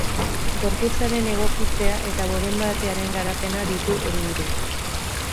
Gorputzaren egokitzea eta borondatearen garapena ditu helburu.